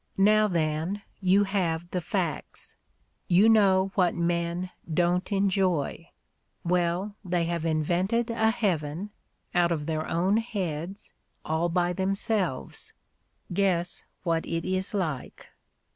Now, then, you have the facts. You know what men don't enjoy. Well, they have invented a heaven, out of their own heads, all by themselves ; guess what it is like